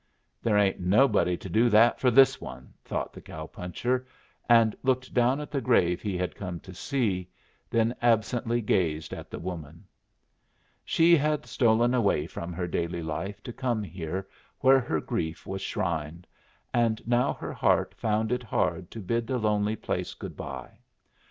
"There ain't nobody to do that for this one," thought the cow puncher, and looked down at the grave he had come to see, then absently gazed at the woman. She had stolen away from her daily life to come here where her grief was shrined, and now her heart found it hard to bid the lonely place goodbye.